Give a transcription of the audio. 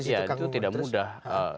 iya itu tidak mudah